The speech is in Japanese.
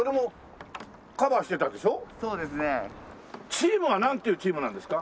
チームはなんていうチームなんですか？